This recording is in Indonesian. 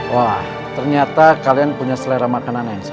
wah ternyata kalian punya selera makanan yang sama